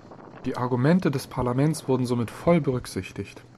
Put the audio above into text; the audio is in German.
Die Argumente des Parlaments wurden somit voll berücksichtigt.